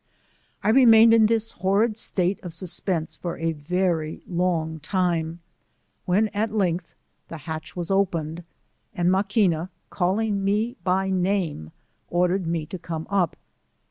I remained in this horrid state of suspense for a Tery long time, when at length the hatch was open ed, and Maquina, calling me by name, ordered me to come up.